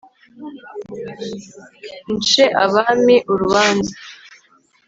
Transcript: Nce abami urubanza